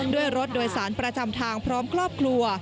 ด้วยรถโดยสารประจำทางพร้อมครอบครัว